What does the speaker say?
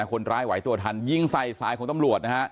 คนร้ายไหวตัวทันยิงใส่สายของตำรวจนะฮะ